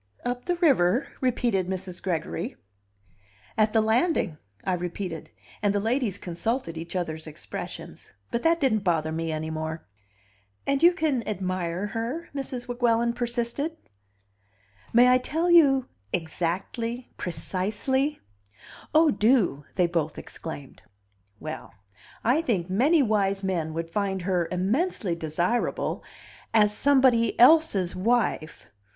"Up the river?" repeated Mrs. Gregory "At the landing," I repeated. And the ladies consulted each other's expressions. But that didn't bother me any more. "And you can admire her?" Mrs. Weguelin persisted. "May I tell you exactly, precisely?" "Oh, do!" they both exclaimed. "Well, I think many wise men would find her immensely desirable as somebody else's wife!"